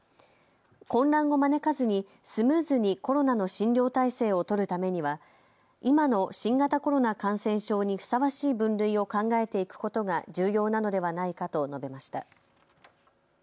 混乱を招かずにスムーズにコロナの診療体制を取るためには今の新型コロナ感染症にふさわしい分類を考えていくことが重要なのではないかと述べました。